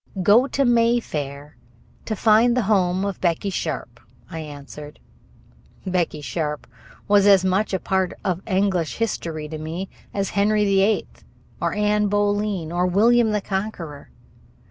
"Go to Mayfair to find the home of Becky Sharp," I answered. Becky Sharp was as much a part of English history to me as Henry VIII or Anne Boleyn or William the Conqueror.